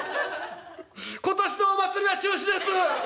今年のお祭りは中止です！」。